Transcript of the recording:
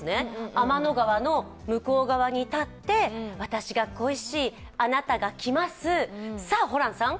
天の川の向こう側に立って、私が恋しいあなたが来ます、さあホランさん